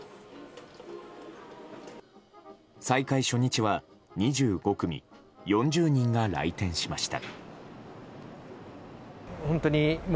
再開初日は、２５組４０人が来店しました。